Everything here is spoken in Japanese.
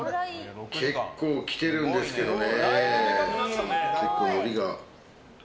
結構きてるんですけどね。